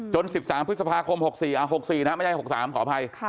๑๓พฤษภาคม๖๔๖๔นะไม่ใช่๖๓ขออภัย